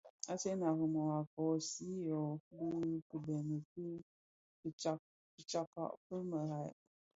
Asen a Rimoh a koosi yü bi kibeňi ki fitsakka fi merad.